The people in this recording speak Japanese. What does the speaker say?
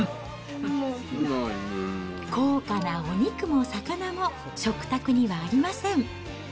高価なお肉も魚も食卓にはありません。